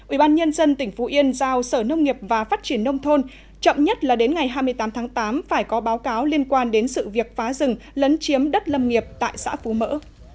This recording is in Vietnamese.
ubnd tỉnh phú yên giao sở nông nghiệp và phát triển nông thôn chậm nhất là đến ngày hai mươi tám tháng tám phải có báo cáo liên quan đến sự việc phá rừng lấn chiếm đất lâm nghiệp tại xã phú mỡ